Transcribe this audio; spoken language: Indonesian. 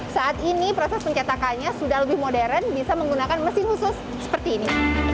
saat ini proses pencetakannya sudah lebih modern bisa menggunakan mesin khusus seperti ini